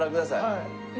はい。